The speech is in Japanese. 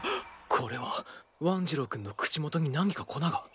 これはワン次郎君の口元に何か粉が。